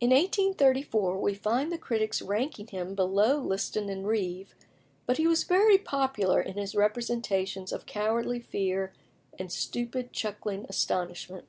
In 1834 we find the critics ranking him below Liston and Reeve, but he was very popular in his representations of cowardly fear and stupid chuckling astonishment.